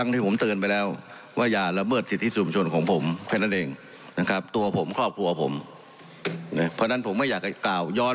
นี่ก็คือแบบเลือกจากเมื่อวุฒิตแล้วก็เห็นเปล่า